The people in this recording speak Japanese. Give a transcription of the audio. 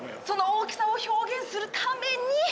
その大きさを表現するために！